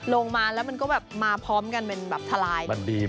ลงมาแล้วมันก็แบบมาพร้อมกันเป็นแบบทลาย